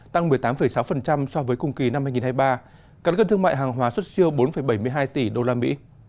tăng một mươi tám sáu so với cùng kỳ năm hai nghìn hai mươi ba cắn gân thương mại hàng hóa xuất siêu bốn bảy mươi hai tỷ usd